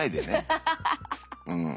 ハハハハッ！